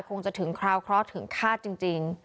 คงจะถึงคราวเคราะห์ถึงฆาตจริง